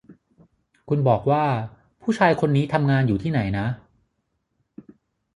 คุณบอกว่า ผู้ชายคนนี้ทำงานอยู่ที่ไหนนะ